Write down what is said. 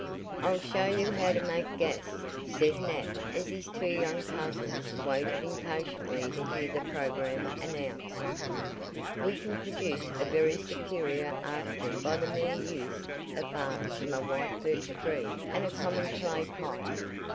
"I'll show you how to make gas," said Nat as his two young cousins waited impatiently to hear the program announced. "We can produce a very superior article by the mere use of bark from a white birch tree, and a common clay pipe.